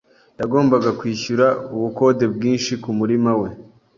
Yagombaga kwishyura ubukode bwinshi kumurima we.